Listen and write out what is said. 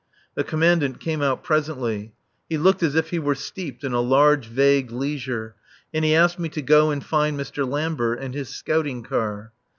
The Commandant came out presently. He looked as if he were steeped in a large, vague leisure, and he asked me to go and find Mr. Lambert and his scouting car.